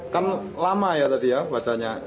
kan lama ya tadi ya bacanya